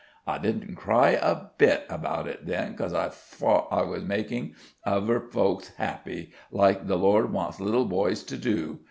I didn't cry a bit about it then, 'cause I fought I was makin' uvver folks happy, like the Lord wants little boysh to.